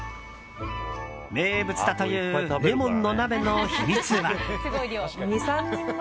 名物だというレモンの鍋の秘密は。